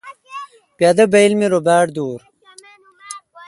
پادہ بایل می رو باڑ دور۔